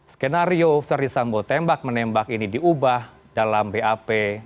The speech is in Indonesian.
skenario ferdisambo tembak menembak ini diubah dalam bap